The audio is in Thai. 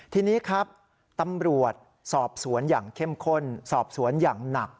ทีนี้ครับตำรวจสอบสวนอย่างเข้มข้นสอบสวนอย่างหนัก